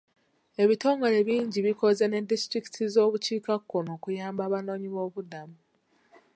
Ebitongole bingi bikoze ne disitulikiti z'obukiikakkono okuyamba abanoonyiboobubudamu.